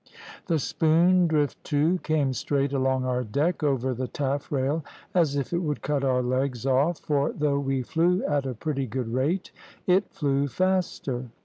The spoondrift, too, came straight along our deck, over the taffrail, as if it would cut our legs off; for, though we flew at a pretty good rate, it flew faster.